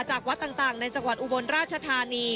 จากวัดต่างในจังหวัดอุบลราชธานี